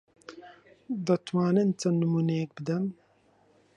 دەتوانن چەند نموونەیەک بدەن؟